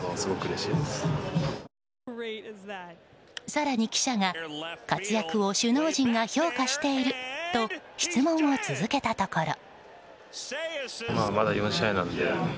更に記者が活躍を首脳陣が評価していると質問を続けたところ。